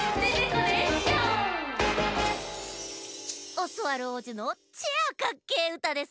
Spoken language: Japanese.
オスワルおうじのチェアカッケーうたです。